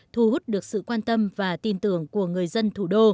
thu hút được sự quan tâm và tin tưởng của người dân thủ đô